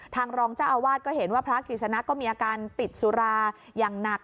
รองเจ้าอาวาสก็เห็นว่าพระกิจสนะก็มีอาการติดสุราอย่างหนัก